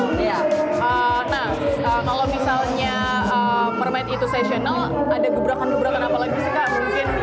nah kalau misalnya permate itu sesional ada gebrakan gebrakan apalagi sih kak mungkin